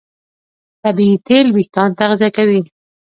طبیعي تېل وېښتيان تغذیه کوي.